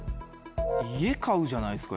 家買うじゃないですか？